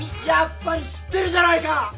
やっぱり知ってるじゃないか！